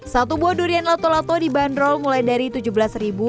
satu buah durian lato lato dibanderol mulai dari rp tujuh belas